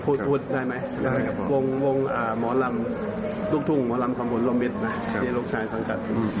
พุทธได้ไม๊วงลุกทุ่งหมอรำความผลลมวิทย์ที่ลูกชายคาญขนาด